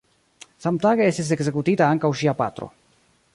Samtage estis ekzekutita ankaŭ ŝia patro.